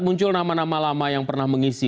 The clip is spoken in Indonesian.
muncul nama nama lama yang pernah mengisi